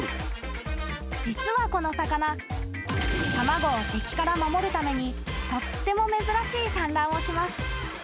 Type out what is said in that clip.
［実はこの魚卵を敵から守るためにとっても珍しい産卵をします］